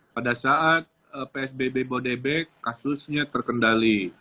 pada saat psbb bodebek kasusnya terkendali